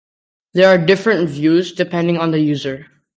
There are different views, depending on the user.